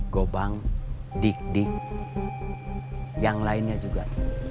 gobang dik dik yang lainnya juga